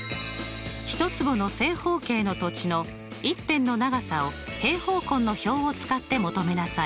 １坪の正方形の土地の一辺の長さを平方根の表を使って求めなさい。